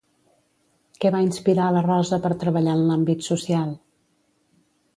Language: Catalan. Què va inspirar la Rosa per treballar en l'àmbit social?